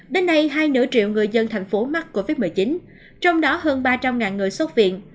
đến nay hai nửa triệu người dân thành phố mắc covid một mươi chín trong đó hơn ba trăm linh người xuất viện